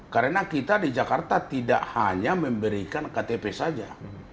karena kita di jakarta tidak hanya memberikan ktp saja